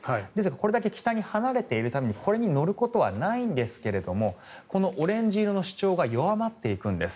これだけ北に離れていくためにここに乗ることはないんですがこのオレンジ色の主張が弱まっていくんです。